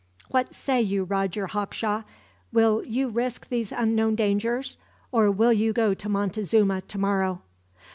"What say you, Roger Hawkshaw? Will you risk these unknown dangers, or will you go to Montezuma tomorrow?"